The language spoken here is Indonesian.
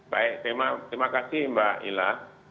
baik terima kasih mbak ila